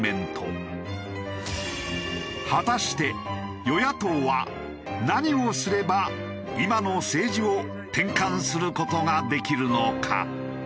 果たして与野党は何をすれば今の政治を転換する事ができるのか？